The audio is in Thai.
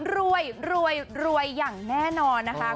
รวยรวยอย่างแน่นอนนะคะ